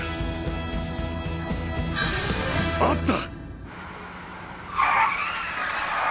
あった！！